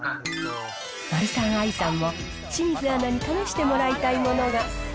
マルサンアイさんも、清水アナに試してもらいたいものが。